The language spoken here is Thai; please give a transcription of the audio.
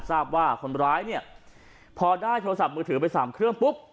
ทราบว่าคนร้ายเนี่ยพอได้โทรศัพท์มือถือไปสามเครื่องปุ๊บ